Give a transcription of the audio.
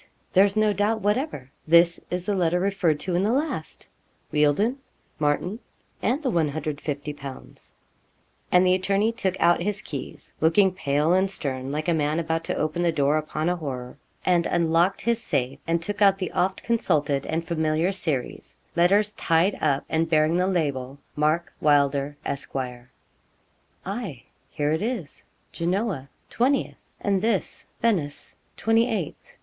There's no doubt whatever this is the letter referred to in the last Wealdon, Martin, and the 150_l._' And the attorney took out his keys, looking pale and stern, like a man about to open the door upon a horror, and unlocked his safe, and took out the oft consulted and familiar series letters tied up and bearing the label, 'Mark Wylder, Esq.' 'Aye, here it is, Genoa, 20th, and this, Venice, 28th.